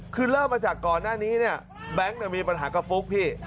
คือเริ่มมาจากก่อนหน้านี้เนี่ยแบงค์มีปัญหากับฟุ๊กพี่